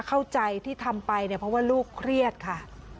เข้าใจที่ทำไปเนี่ยเพราะว่าลูกเครียดค่ะ